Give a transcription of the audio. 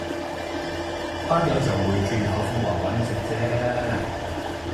班友就會轉口風話搵食啫